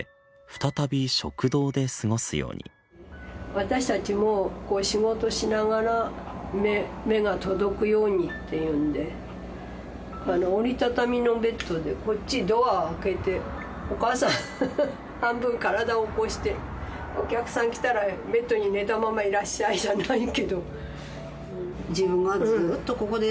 私たちも仕事しながら目が届くようにっていうんで折り畳みのベッドでこっちドア開けてお母さん半分体起こしてお客さん来たらベッドに寝たまま「いらっしゃい」じゃないけど。